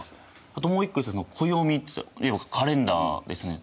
あともう一個暦要はカレンダーですね